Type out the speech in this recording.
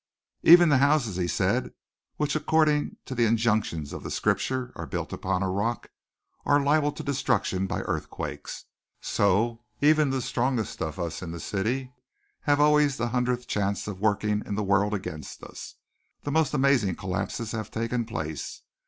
"Even the houses," he said, "which according to the injunctions of Scripture are built upon a rock, are liable to destruction by earthquakes. So, even, the strongest of us in the city have always the hundredth chance working in the world against us. The most amazing collapses have taken place.